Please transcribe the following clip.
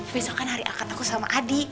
besok kan hari akad aku sama adi